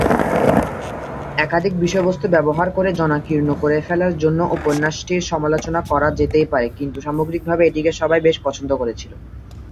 একাধিক বিষয়বস্তু ব্যবহার করে জনাকীর্ণ করে ফেলার জন্য উপন্যাসটির সমালোচনা করা যেতেই পারে কিন্তু সামগ্রিকভাবে এটিকে সবাই বেশ পছন্দ করেছিল।